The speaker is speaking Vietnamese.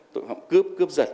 tội phạm cướp cướp giật